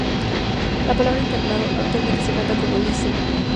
La palabra "Internado" actualmente se canta como "Liceo".